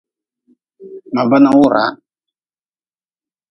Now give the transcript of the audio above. Ma bana wura.